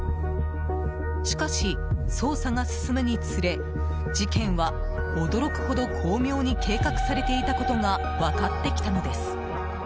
しかし、捜査が進むにつれ事件は驚くほど巧妙に計画されていたことが分かってきたのです。